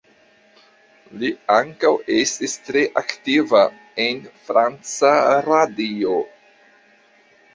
Li ankaŭ estis tre aktiva en franca radio.